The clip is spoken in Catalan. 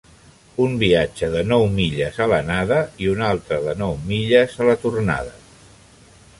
Un viatge de nou milles a l'anada, i un altre de nou milles a la tornada.